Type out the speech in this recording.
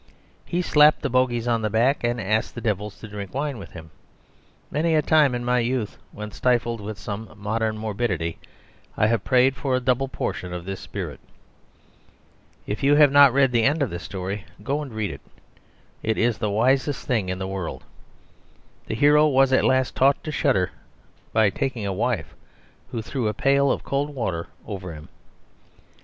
He slapped the bogies on the back and asked the devils to drink wine with him; many a time in my youth, when stifled with some modern morbidity, I have prayed for a double portion of his spirit. If you have not read the end of his story, go and read it; it is the wisest thing in the world. The hero was at last taught to shudder by taking a wife, who threw a pail of cold water over him.